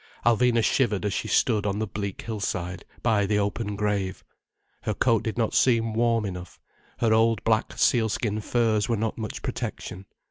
Alvina shivered as she stood on the bleak hillside, by the open grave. Her coat did not seem warm enough, her old black seal skin furs were not much protection.